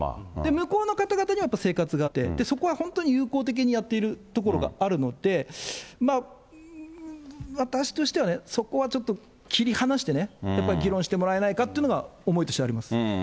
向こうの方々にはやっぱり生活があって、そこは本当に友好的にやってるところがあるので、私としてはね、そこはちょっと切り離してね、やっぱり議論してもらえないかというのが、思いとしてはあります。